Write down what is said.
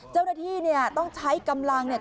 เจ้าหน้าที่เนี่ยต้องใช้กำลังเนี่ย